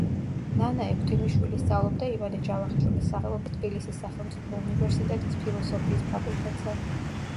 ნანა ექვთიმიშვილი სწავლობდა ივანე ჯავახიშვილის სახელობის თბილისის სახელმწიფო უნივერსიტეტის ფილოსოფიის ფაკულტეტზე.